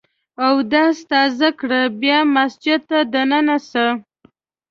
اودس تازه کړه ، بیا مسجد ته دننه سه!